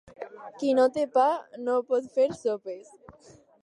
Qui no té pa no pot fer sopes.